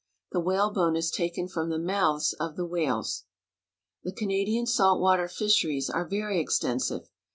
The whale bone is taken from the mouths of the whales. The Canadian salt water fisheries are very extensive.